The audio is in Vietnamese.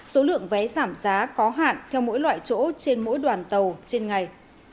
số lượng vé giảm giá có hạn theo mỗi loại chỗ trên mỗi đoàn tàu trên ngày